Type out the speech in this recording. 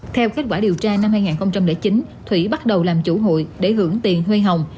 theo kết quả điều tra năm hai nghìn chín thủy bắt đầu làm chủ hụi để hưởng tiền hoay hồng